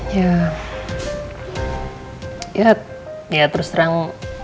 ya terus terang